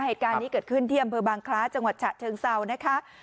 เหตุการณ์นี้เกิดขึ้นที่อำเภอบางคล้าจังหวัดฉะเชิงเซานะคะ